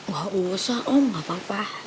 gak usah om gak apa apa